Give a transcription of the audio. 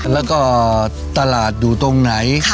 แล้วก็ตลาดอยู่ตรงไหน